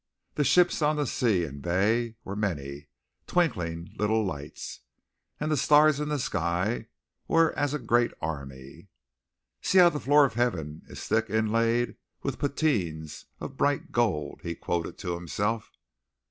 The ships on the sea and bay were many twinkling little lights and the stars in the sky were as a great army. "See how the floor of heaven is thick inlaid with patines of bright gold," he quoted to himself.